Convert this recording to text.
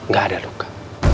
gak ada luka